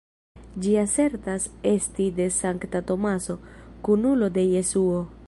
Ĝi asertas esti de Sankta Tomaso, kunulo de Jesuo.